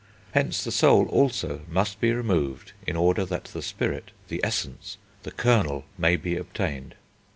Hence the soul also must be removed, in order that the spirit, the essence, the kernel, may be obtained.